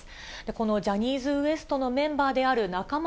このジャニーズＷＥＳＴのメンバーである中間